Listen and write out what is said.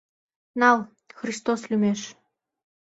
Нал, Христос лӱмеш.